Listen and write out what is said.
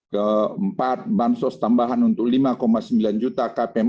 keempat bantuan sosial tambahan untuk lima sembilan juta kpm